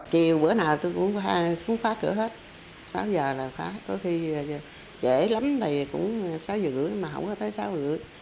không khóa cửa hết sáu giờ là khóa có khi trễ lắm thì cũng sáu giờ rưỡi mà không có tới sáu giờ rưỡi